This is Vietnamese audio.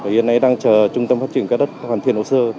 hiện nay đang chờ trung tâm phát triển các đất hoàn thiện hồ sơ